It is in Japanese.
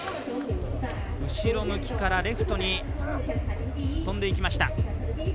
後ろ向きからレフトに飛んでいきました。